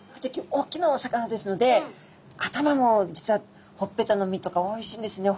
大きなお魚ですので頭も実はほっぺたの身とかおいしいんですね。